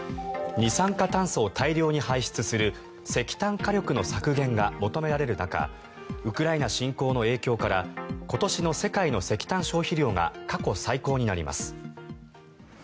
二酸化炭素を大量に排出する石炭火力の削減が求められる中ウクライナ侵攻の影響から今年の世界の石炭消費量が過去最高になります。